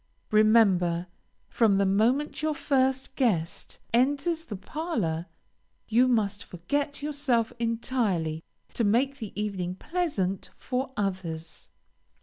Remember, from the moment your first guest enters the parlor, you must forget yourself entirely to make the evening pleasant for others.